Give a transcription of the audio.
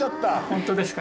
本当ですか。